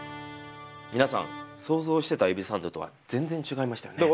皆さん想像してたエビサンドとは全然違いましたよね。